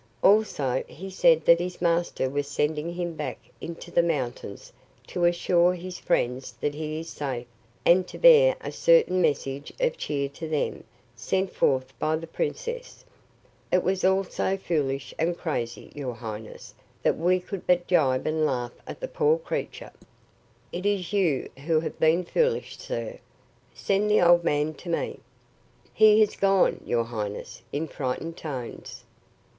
Also, he said that his master was sending him back into the mountains to assure his friends that he is safe and to bear a certain message of cheer to them, sent forth by the princess. It was all so foolish and crazy, your highness, that we could but jibe and laugh at the poor creature." "It is you who have been foolish, sir. Send the old man to me." "He has gone, your highness," in frightened tones.